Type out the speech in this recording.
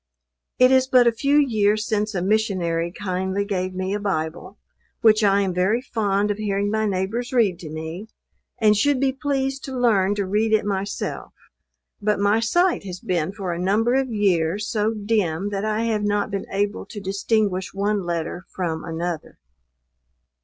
It is but a few years since a Missionary kindly gave me a Bible, which I am very fond of hearing my neighbors read to me, and should be pleased to learn to read it myself; but my sight has been for a number of years, so dim that I have not been able to distinguish one letter from another.